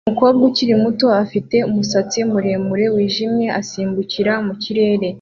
Umukobwa ukiri muto ufite umusatsi muremure wijimye asimbukira mu kirere